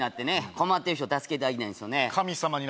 困ってる人助けてあげたいんですよね